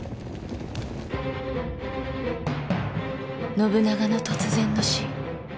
信長の突然の死。